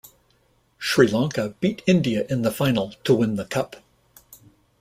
Sri Lanka beat India in the final to win the cup.